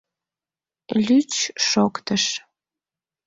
Лӱч шоктыш.